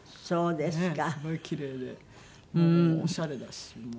そうです。